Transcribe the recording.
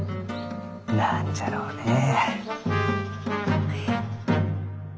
何じゃろうねえ？